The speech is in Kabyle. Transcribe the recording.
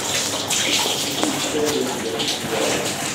Ikad-d ur yeɣti ara.